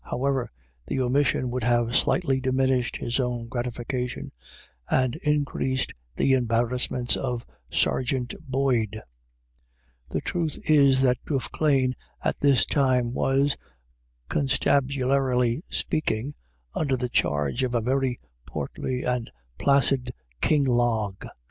How ever, the omission would have slightly diminished his own gratification, and increased the embarrass ments of Sergeant Boyd. The truth is that Duffclane at this time was, con stabularily speaking, under the charge of a very portly and placid King Log.